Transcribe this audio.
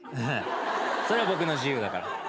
それは僕の自由だから。